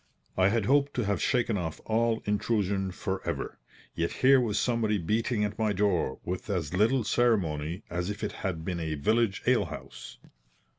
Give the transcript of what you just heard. I had hoped to have shaken off all intrusion for ever, yet here was somebody beating at my door with as little ceremony as if it had been a village ale house.